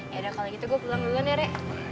ya udah kalau gitu gue pulang dulu ya re